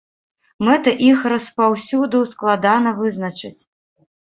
Мэты іх распаўсюду складана вызначыць.